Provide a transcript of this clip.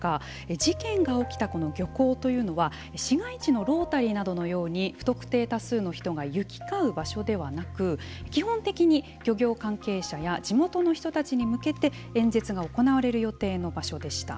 事件が起きたこの漁港というのは市街地のロータリーのように不特定多数の人が行き交う場所ではなく基本的に漁業関係者や地元の人たちに向けて演説が行われる予定の場所でした。